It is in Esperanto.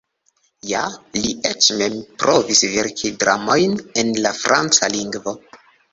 Ja, li eĉ mem provis verki dramojn en la franca lingvo.